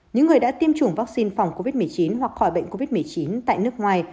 những người đã tiêm chủng vaccine phòng covid một mươi chín hoặc khỏi bệnh covid một mươi chín tại nước ngoài